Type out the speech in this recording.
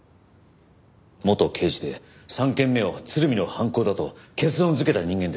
元刑事で３件目を鶴見の犯行だと結論づけた人間です。